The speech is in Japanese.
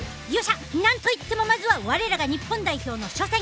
なんといってもまずは我らが日本代表の初戦。